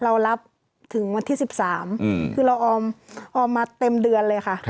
เรารับถึงวันที่๑๓คือเราออมมาเต็มเดือนเลยค่ะ